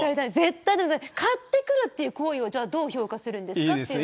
買ってくるという行為をどう評価するんですか。